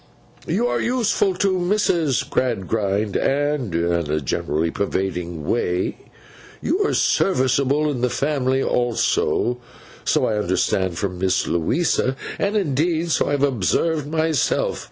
'You are useful to Mrs. Gradgrind, and (in a generally pervading way) you are serviceable in the family also; so I understand from Miss Louisa, and, indeed, so I have observed myself.